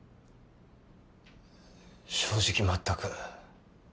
正直まったく。